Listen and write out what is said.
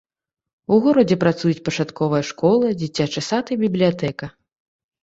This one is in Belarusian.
У горадзе працуюць пачатковая школа, дзіцячы сад і бібліятэка.